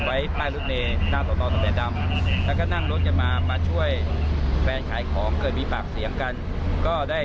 เข้าบริเวณรำตัวหลังจากนั้นเขาวิ่งมา